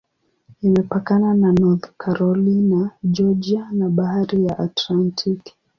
Imepakana na North Carolina, Georgia na Bahari ya Atlantiki.